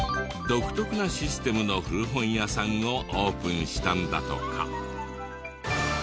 独特なシステムの古本屋さんをオープンしたんだとか。